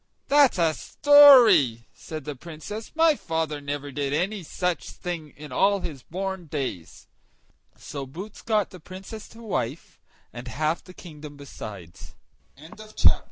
"That's a story!" said the Princess, "my father never did any such thing in all his born days!" So Boots got the Princess to wife, and half the kingdom besides.